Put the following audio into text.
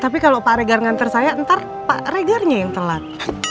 tapi kalau pak regar mengantar saya ntar pak regarnya yang telat